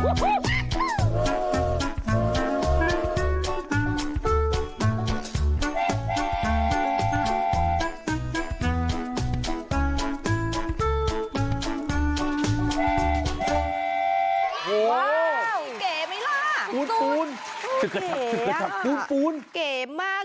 ว้าวมีเก๋ไหมล่ะฟูนฟูนฟูนฟูนฟูนเก๋มาก